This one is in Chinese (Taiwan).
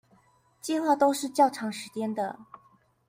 計畫都是較長時間的